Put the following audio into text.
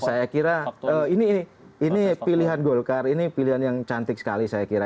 saya kira ini pilihan golkar ini pilihan yang cantik sekali saya kira